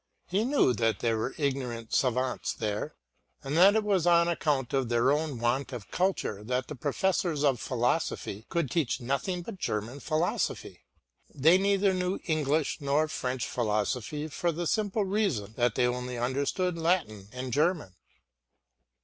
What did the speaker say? He knew that there were ignorant savants there, and that it was on account of their own want of culture that the professors of philosophy could teach nothing but German philosophy. They neither knew English nor French philosophy for the simple reason that they only understood Latin and German.